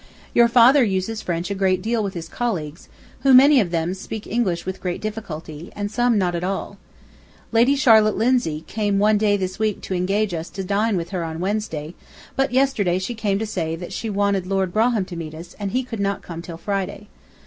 Your father uses French a great deal with his colleagues, who, many of them, speak English with great difficulty, and some not at all. ... Lady Charlotte Lindsay came one day this week to engage us to dine with her on Wednesday, but yesterday she came to say that she wanted Lord Brougham to meet us, and he could not come till Friday.